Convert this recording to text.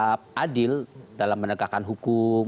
mau bersikap adil dalam menegakkan hukum